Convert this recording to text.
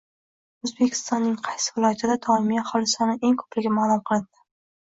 O‘zbekistonning qaysi viloyatida doimiy aholi soni eng ko‘pligi ma’lum qilindi